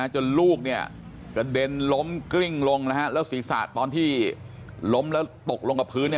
จนลูกกระเด็นล้มกริ้งลงแล้วศรีศาสตร์ตอนที่ล้มแล้วตกลงกับพื้น